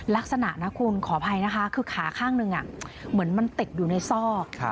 ลักษณะนะคุณขออภัยนะคะคือขาข้างหนึ่งเหมือนมันติดอยู่ในซอก